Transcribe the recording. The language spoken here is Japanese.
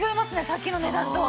さっきの値段と。